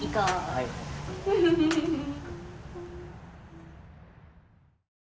はいフフフフ